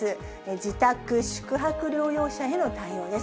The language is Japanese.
自宅・宿泊療養者への対応です。